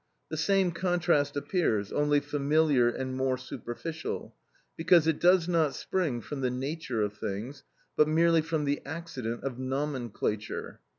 The same contrast appears, only familiar and more superficial, because it does not spring from the nature of things, but merely from the accident of nomenclature.